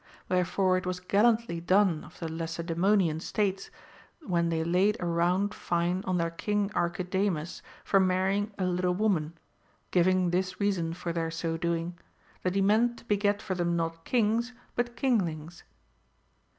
AVherefore it was gallantly done of the Lacedaemonian States, when they laid a round fine on their king Archidamus for marrying a little woman, giving this reason for their so doing : that he meant to beget for them not kings, but kinglings.